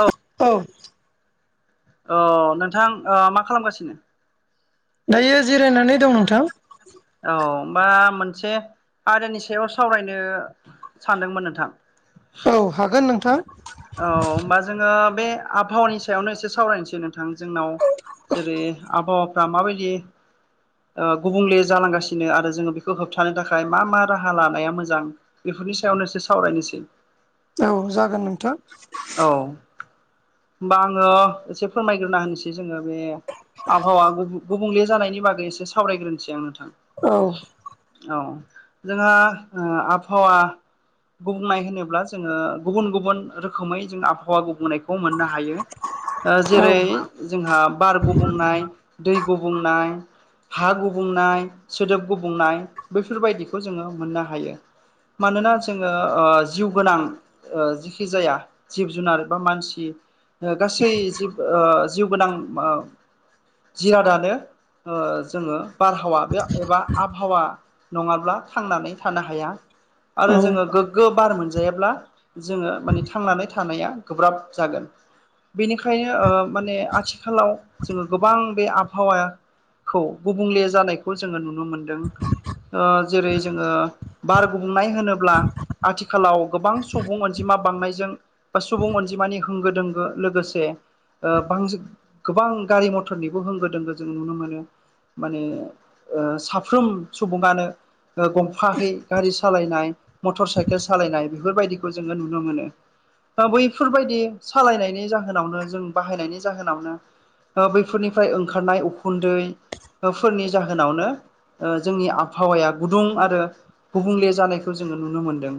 औ औ अ नोंथां ओ मा खालामगासिनो? दायो जिरायनानै दं नोंथां औ बा मोनसे आयदानि सायाव सावरायनो सानदोंमोन नोंथां औ हागोन नोंथां औ बा जोङो बे आबहावानि सायावनो एसे सावरायनोसै नोंथां जोंनाव जेरै आबहावाफ्रा माबायदि ओ गुबुंले जालांगासिनो आरो जोङो बेखौ होबथानो थाखाय मा मा राहा लानाया मोजां बेफोरनि सायावनोसो सावरायनोसै औ जागोन नोंथां औ होनबा आङो एसे फोरमायग्रोना होनोसै जोङो बे आबहावा गुब गुबुंले जानायनि बागै एसे सावरायग्रोनोसै आं नोंथां औ औ जोंहा आबहावा गुबुंनाय होनोब्ला जोङो गुबुन गुबुन रोखोमै जों आबहावा गुबुंनायखौ मोननो हायो। ओ जेरै औ जोंहा बार गुबुंनाय दै गुबुंनाय हा गुबुंनाय सोदोब गुबुंनाय बैफोरबायदिखौ जोङो मोननो हायो। मानोना जोङो ओ जिउ गोनां ओ जिखि जाया जिब जुनार बा मानसि गासै जिउ ओ जिउ गोनां जिरादानो ओ जोङो बारहावा बे एबा आबहावा नङाब्ला थांनानै थानो हाया आरो औ जोङो गो गो बार मोनजायाब्ला जोङो माने थांनानै थानाया गोब्राब जागोन बेनिखायनो ओ माने आथिखालाव जोङो गोबां बे आबहावाया खौ गुबुंले जानायखौ जोङो नुनो मोनदों। ओ जेरै जोङो बार गुंबुंनाय होनोब्ला आथिखालाव गोबां सुबुं अनजिमा बांनायजों बा सुबुं अनजिमानि होंगो दोंगो लोगोसे ओ बां गोबां गारि मथरनिबो होंगो दोंगो जों नुनो मोनो माने ओ साफ्रोम सुबुङानो गंफायै गारि सालायनाय मटर साइकेल सालायनाय बेफोरबायदिखौ जोङो नुनो मोनो। बैफोरबायदि सालायनायनि जाहोनावनो जों बाहायनायनि जाहोनावनो दा बैफोरनिफ्राय ओंखारनाय उखुन्दै फोरनि जा जावनो जोंनि आबहावाया गुदुं आरो गुबुंले जानायखौ जोङो नुनो मोन्दों।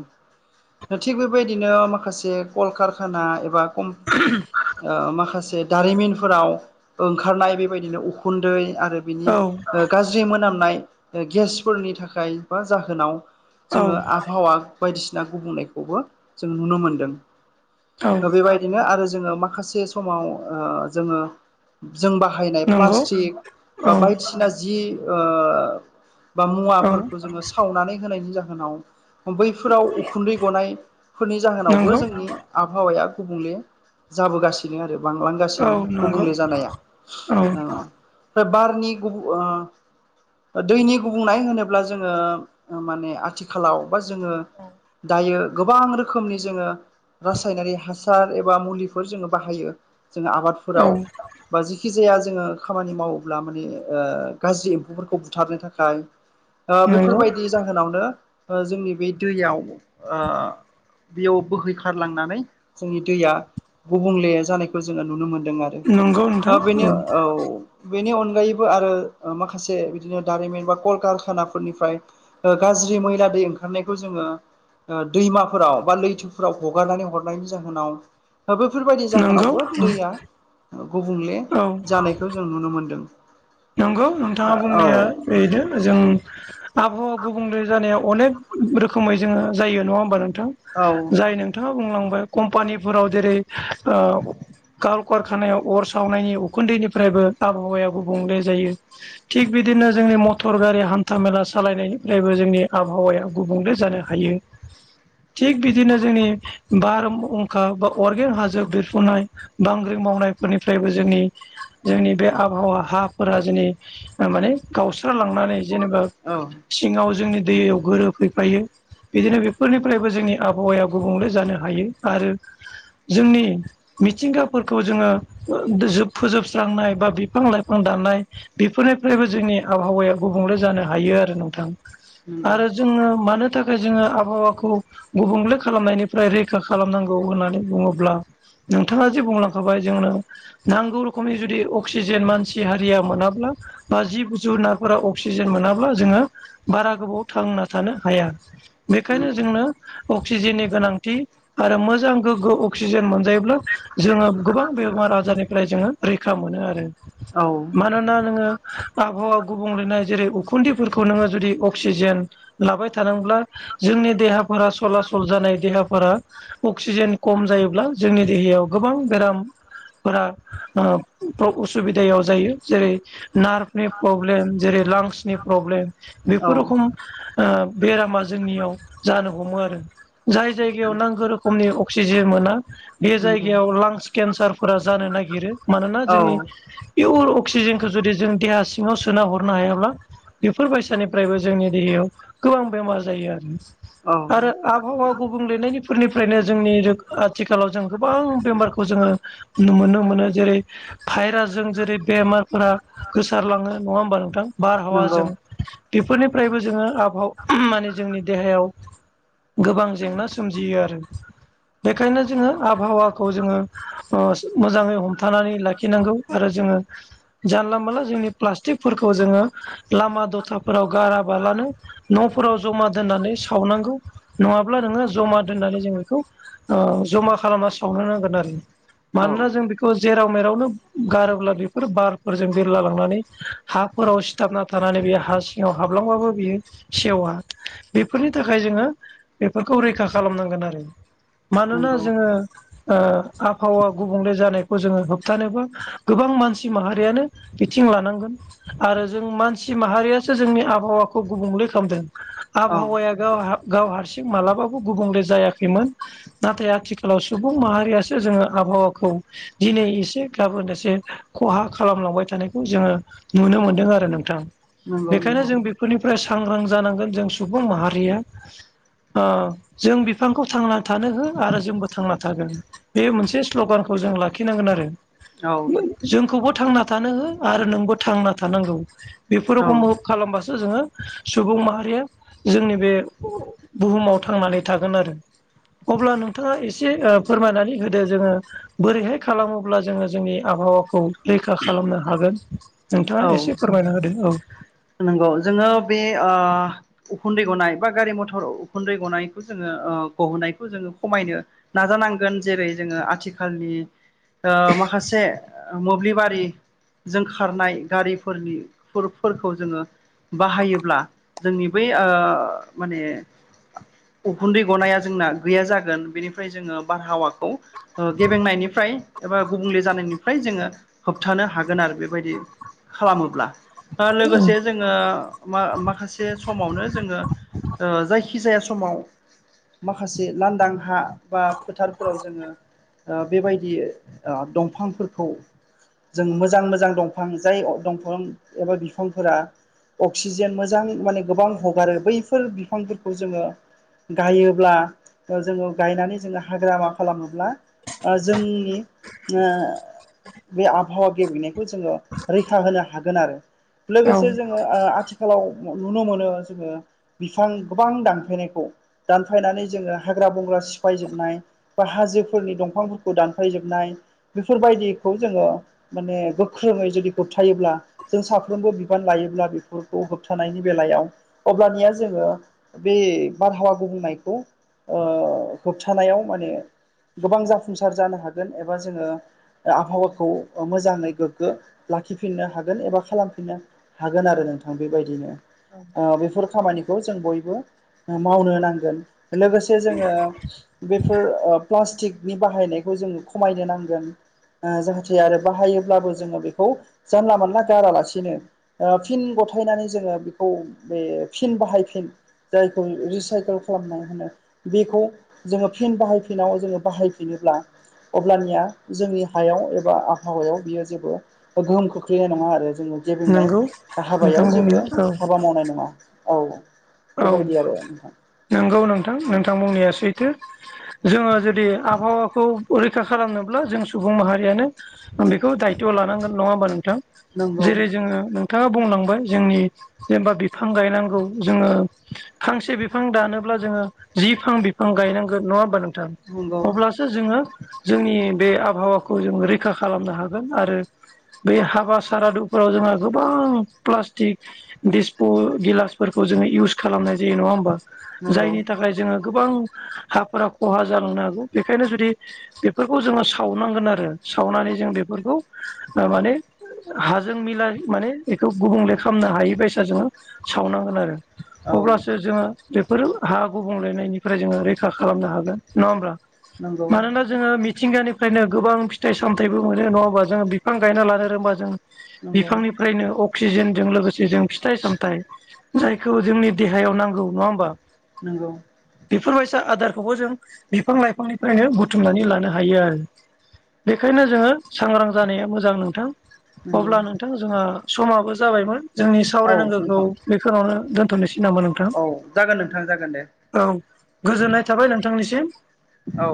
थिग बेबायदिनो माखासे कलकारखाना एबाम [inaudible] ओ माखासे दारिमिनफोराव ओंखारनाय बेबायदिनो उखुन्दै आरो बिनि औ गाज्रि मोनामनाय गेसफोरनि थाखाय बा जाहोनाव औ जोङो आबहावा बायदिसिना गुबुंनायखौबो जों नुनो मोनदों औ बेबायदिनो आरो जोङो माखासे समाव जोङो जों बाहायनाय नंगौ प्लास्टिक औ बा बायदिसिना जि बा औ मुवाफोरखौ जोङो सावनानै होनायनि जाहोनाव बैफोराव उखुन्दै गनायफोरनि जाहोनावबो नंगौ जोंनि आबहावाया गुबुंले जाबोगासिनो औ बांगासिनो नंगौ गुबुंले जानाय औ ओ बारनि गुबुं ओ दैनि गुबुंनाय होनोब्ला जोङो मान आथिाल आथिखालाव बा जोङो दायो गोबां रोखोमनि जोङो रनारि हा हासार एबा मुलिफोर जोङो बाहायो जोङो औ आबादफोराव बा जेखि जाया जोङो खामानि मावोब्ला माने गाज्रि एम्फौफोरखौ बुथारनो थाखाय नंगौ बैफोरबायदि जाहोनावनो जोंनि बे दैयाव ओ बेयाव बोहैखारलांनानै जोंनि दैया गुबुंले जानायखौ जोङो नुनो मोनदों नंगौ नोंथां आरो बेनि औ बेनि अनगायै आरो माखासे बिदिनो दारिमिन बा कलकारखानाफोरनिफ्राय गाज्रि मैला दै ओंखारनायखौ जोङो दैमाफोराव बा लैथोफोराव हगारनानै हरनायनि जाहोनाव बेफोरबायाददि नंगौ जाहोनावबो दैया गुबुंले औ जानायखौ जों नुनो मोनदों नंगौ नोंथाङा औ बुंनाया बेनो जों आबहावा गुबुंले जानाया अनेक रोखोमै जोङो जायो नङा होमबा नोंथां औ जाय नोंथाङा बुंलांबाय कम्पानिफोराव जेरै ओ- कार खानायाव अर सावनायनि उखुन्दैनिफ्रायबो आबहावाया गुबुंले जायो थिग बिदिनो जोंनि मटर गारि हान्था मेला सालायनायनिफ्रायबो जोंनि आबहावाया गुबुंले जानो हायो [inaudible] थिग बिदिनो जोंनि बारहुंखा बा अरगेन हाजो बिरफुनाय बांग्रि मावनायफोरनिफ्रायबो जोंनि जोंनि बे आबहावा हा फोर जोंै माने गावस्रालांनानै जेनेबा औ सिङाव जोंनि दैयाव गोरोफैफायो बिदिनो बेफोरनिफ्रायबो जोंनि आबहावाया गुबुंले जानो हायो आरो जोंनि मिथिंगाफोरखौ जोङो फोजोबस्रांनाय बा बिफां लाइफां दानाय बेफोरनिफ्रायबो जोंनि आबहावाया गुबुंले जानो हायो आरो नोंथां नंगौ आरो जोङो मानो नि थाखाय जोङो आबहावाखौ गुबुंले खालामनायनिफ्राय रैखा खालामनांगौ होननानै बुङोब्ला नोंथाङा जे बुंलांखाबाय जोंनो नांगौ रोखोमनि जुदि अक्सिजेन मानसि सि हारिया मोनाब्ला बा जि गुजु नाफोरा अक्सिजेन मोनाब्ला जोङो बारा गोबाव थांना थानो हाया बेखायनो नंगौ जोंनो अक्सिजेननि गोनांथि आरो मोजां गोग्गो अक्सिजेन मोनजायोब्ला जोङो गोबां बेमार आजारनिफ्राय जोङो रैखा मोनो आरो औ मानोना नोङो आबहावा गुबुंलेनाय जेरै उखुन्दैफोरखौ नोङो जुदि अक्सिजेन लाबाय थानब्ला जोंनि देहाफोरा सलासल जानाय देहाफोरा अक्सिजेन खम जायोब्ला जोंनि देहायाव गोबां बेराम फोर [unintelligible] उसुबिदायाव जायो जेरै नार्भनि प्रब्लेम जेरै लांसनि प्रब्लेम बेफोर रोखम बेरामा जोंनियाव जानो हमो आरो जाय जायगायाव नांगौ रोखोमनि अक्सिजेन मोना बे नंगौ जायगायाव लांस केन्सारफोरा जानो नागिरो मानोना जोंनि औ पियर अक्सिजेनखौ जुदि जों देहा सिङाव सोना हरनो हायाब्ला बेफोर बायसानिफ्रायबो जोंनि देहायाव गोबां बेमार जायो आरो। औ आरो आबहावा गुबुंलेनायनिफोरनिफ्रायनो जोंनि आथिखालाव जों गोबां बेमारखौ जोङो नुनो मोनो जेरै भायरासजों जेरै बेमारफोरा गोसारलाङो नङा होमबा नोंथां? नंगौ बारहावाजों बेफोरनिफ्रायबो जोङो आबहाव ओम माने जोंनि देहायाव गोबां जेंना सोमजियो आरो। बेखायनो जोङो आबहावाखौ जोङो मोजाङै हमथानानै लाखिनांगौ। आरो जोङो जानला मोनला जोंनि प्लास्टिकफोरखौ जोङो लामा दथाफोराव गाराबालानो न'फोराव जमा दोननानै सावनांगौ। नङाब्ला नोङो जमा दोननानै जों बेखौ जमा खालामना सावनो नांगोन आरो। औ मानोना जों बेखौ जेराव मेरावनो गारोब्ला बेफोर बारफोरजों बिरला लांनानै हाफोराव सिथाबना थानानै बे हा सिङाव हाबलांबाबो बियो सेवा बेफोरनि थाखाय जोङो बेफोरखौ रैखा खालामनांगोन आरो मानोना नंगौ जोङो ओ आबहावा गुबुंले जानायखौ जोङो होबथानोबा गोबां मानसि माहारियानो बिथिं लानांगोन। आरो जों मानसि माहारियासो जोंनि आबहावाखौ गुबुंले खालामदों औ आबहावाया गाव गाव हारसिं मालाबाबो गुबुंले जायाखैमोन। नाथाय आथिखालाव सुबुं माहारियासो जोङो आबहावाखौ दिनै एसे गाबोन एसे खहा खालामलांबाय थानायखौ जोङो नुनो मोनदों आरो नोंथां। नंगौ बेखायनो नंगौ जों बेफोरनिफ्राय सांग्रां जानांगोन जों सुबुं माहारिया ओ जों बिफांखौ थांना थानो हो आरो जोंबो थांना थागोन। बे मोनसे स्ल'गानखौ जों लाखिनांगोन आरो औ। जोंखौबो थांना थानो हो आरो नोंबो थांना थानांगौ। बेफोर उमुक खालामबासो जोङो सुबुं माहारिया जोंनि बे बुहुमाव थांनानै थागोन आरो अब्ला नोंथाङा एसे ओ फोरमायनानै होदो जोङो बोरैहाय खालामोब्ला जोङो जोंनि आबहावाखौ रैखा खालामनो हागोन नोंथाङा औ एसे फोरमायना होदों औ। नंगौ जोङो बे ओ उखुन्दै गनाय बा गारि मथर उखुन्दै गनायखौ जोङो ओ गहोनायखौ जोङो खमायनो नाजानांगोन जेरै जोङो आथिखालनि ओ माखासे मोब्लिबारि जों खारनाय गारिफोरनि फोर फोर खौ जोङो बाहायोब्ला जोंनि बै ओ माने उखुन्दै गनाया जोंना गैया जागोन बेनिफ्राय जोङो बारहावाखौ ओ गेबेंनायनिफ्राय एबा गुबुंले जानायनिफ्राय जोङो होबथानो हागोन आरो बेबायदि। खालामोब्ला लोगोसे जोङो मा-माखासे समावनो जोङो ओ जायखिजाया समाव माखासे लांदां हा बा फोथारफोराव जोङो ओ बेबायदि आ दंफांफोरखौ जों मोजां मोजां दंफां जाय दंफां एबा बि बिफांफोरा अक्सिजेन मोजां माने गोबां हगारो बैफोर बिफांफोरखौ जोङो गायोब्ला जोङो गायनानै जोङो हाग्रा मा खालामोब्ला ओ जोंनि ओ बे आबहावा गेबेंनायखौ जोङो रैखा होनो हागोन आरो। औ लोगोसे जोङो ओ आथिखालाव नुनो मोनो जोङो बिफां गोबां दानफायनायखौ दानफायनानै जोङो हाग्रा बंग्रा सिफायजोबनाय बा हाजोफोरनि दंफांफोरखौ दानफायजोबनाय बेफोरबायदिखौ जोङो माने गोख्रोङै जुदि होबथायोब्ला जों सा फ्रोमबो बिबान लायोब्ला बेफोरखौ होबथानायनि बेलायाव अब्लानिया जोङो बे बारहावा गुबुंनायखौ होबथानायाव माने गोबां जाफुंसार जानो हागोन एबा जोङो आबहावाखौ मोजाङै गोग्गो लाखिफिननो हागोन एबा खालाम फिननो हागोन आरो नोंथां बेबायदिनो ओ बेफोर खामानिखौ जों बयबो मावनो नांगोन लोगोसे जोङो। बेफोर ओ प्लास्टिकनि बाहायनायखौ जोंङो खमायनो नांगोन। आ जाहाथे आरो बाहायोब्लाबो जोङो बेखौ जानला मोनला गारालासिनो फिन गथायनानै जोङो बेखौ बे फिन बाहायफिन जायखौ रिसाइकेल खालामना होनो बेखौ जोङो फिन बाहायफिनाव जोङो बाहायफिनोब्ला अब्लानिया जोंनि हायाव एबा आबहावायाव बियो जेबो गोहोम खोख्लैनाय नङा आरो जोङो। जे बुंनाय नंगौ नोंथां हाबायाव जेबो बुंनाया हाबा मावनाय नङा औ औ। औ नंगौ नोंथां नोंथां बुंनाया सैथो। जोङो जुदि आबहावाखौ रैखा खालामनोब्ला जों सुबुं माहारियानो बेखौ दायथ' लानांगोन नङा होमबा नोंथां। नंगौ जेरै जोङो नोंथाङा बुंलांबाय जोंनि जेनेबा बिफां गायनांगौ जोङो फांसे बिफां दानोब्ला जोङो जि फां बिफां गायनांगोन नङा होमबा नोंथां। नंगौ अब्लासो जोङो जोंनि बे आबहावाखौ जोंङो रैखा खालामनो हागोन आरो। बे हाबा सारादुफोराव जोंहा गोबां प्लास्टिक दिसप' गिलासफोर खौ जोङो इउस खालामनाय जायो नङा होमबा नंगौ जायनि थाखाय जोङो। गोबां हाफोरा खहा जालांनो हागौ बेखायनो जुदि बेफोरखौ जोङो सावनांगोन आरो सावनानै जों बेफोरखौ माने हाजों मिलाय माने बेखौ गुबुंले खालामनो हायि बायसा जोङो सावनांगोन आरो। औ अब्लासो जोङो बेफोर हा गुबुंलेनायनिफ्राय जोङो रैखा खालामनो हागोन नङा होमब्ला नंगौ मानोना ओ मिथिंगानिफ्रायनो गोबां फिथाइ सामथाइबो मोनो नङा होनबा जों बिफां गायना लानो रोंबा जों नंगौ बिफांनिफ्रायनो अक्सिजेनजों लोगोसे जों फिथाइ सामथाइ जायखौ जोंनि देहायाव नांगौ नङा होमबा। नंगौ। बेफोरबायसा आदारखौबो जों बिफां लाइफांनिफ्रायनो बुथुमनानै लानो हायो आरो। बेखायनो जोङो सांग्रां जानाया मोजां नोंथां। नंगौ अब्ला नोंथां जोंहा समाबो जाबायमोन जोंनि औ सावरायनांगौखौ नोंथां बेखिनियावनो दोनथ'नोसै नामा नों औ जागोन नोंथां जागोन दे। औ गोजोननाय थाबाय नोंथांनिसिम। औ।